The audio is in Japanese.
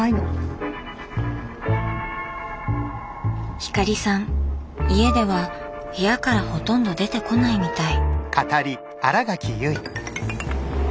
光さん家では部屋からほとんど出てこないみたい。